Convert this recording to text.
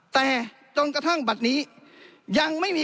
แต่จนกระทั่งบัตรนี้